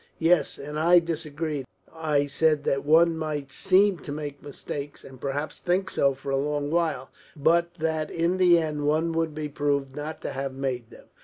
"Yes, and I disagreed. I said that one might seem to make mistakes, and perhaps think so for a long while, but that in the end one would be proved not to have made them.